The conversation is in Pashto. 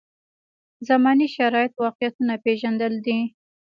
زمانې شرایط واقعیتونه پېژندل دي.